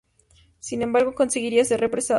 Sin embargo, conseguiría ser represado.